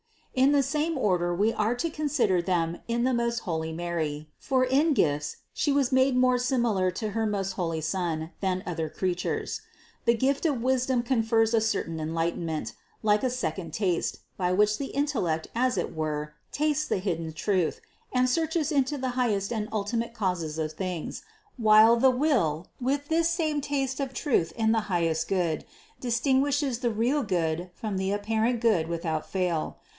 In the same order we are to consider them in the most holy Mary, for in gifts She was made more similar to her most holy Son, than other creatures. The gift of wisdom confers a certain enlightenment, like a second taste, by which the intellect as it were tastes the hidden truth and searches into the highest and ultimate causes of things, while the will, with this same taste of truth in the highest good, distinguishes the real good from the apparent good without fail.